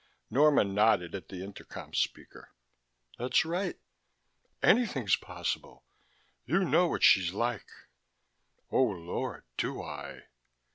Norma nodded at the intercom speaker. "That's right. Anything's possible you know what she's like." "Oh, Lord. Do I."